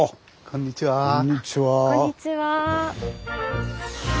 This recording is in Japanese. こんにちは。